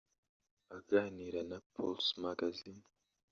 Aganira na Pulse Magazine